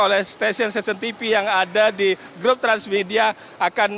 oleh stasiun stasiun tv yang ada di grup transmedia